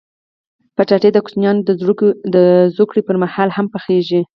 کچالو د کوچنیانو د زوکړې پر مهال هم پخېږي